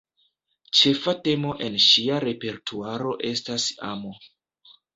Ĉefa temo en ŝia repertuaro estas amo.